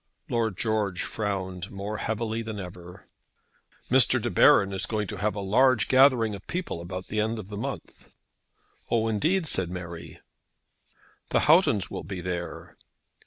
Lord George frowned more heavily than ever. "Mr. De Baron is going to have a large gathering of people about the end of the month." "Oh, indeed," said Mary. "The Houghtons will be there."